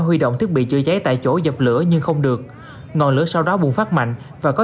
huy động thiết bị chữa cháy tại chỗ dập lửa nhưng không được ngọn lửa sau đó bùng phát mạnh và có